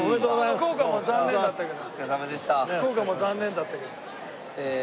福岡は残念だったけど。